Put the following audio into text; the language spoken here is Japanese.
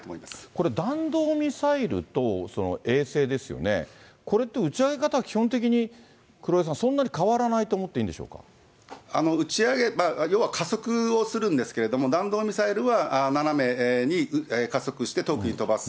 これ、弾道ミサイルと、衛星ですよね、これって打ち上げ方は基本的に、黒井さん、そんなに変わらないと思っていいんでしょう打ち上げ、要は加速をするんですけども、弾道ミサイルは斜めに加速して遠くに飛ばす。